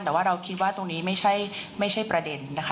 แต่ว่าเราคิดว่าตรงนี้ไม่ใช่ประเด็นนะคะ